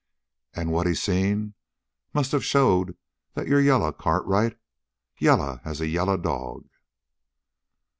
And what he seen must have showed that you're yaller, Cartwright yaller as a yaller dog!"